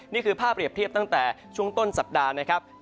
นี่คือภาพเรียบเทียบตั้งแต่ช่วงต้นสัปดาห์นะครับ